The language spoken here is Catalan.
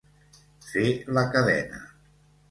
Fer la cadena.